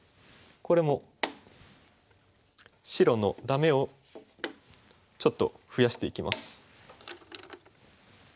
これも白のダメをちょっと増やしていきます。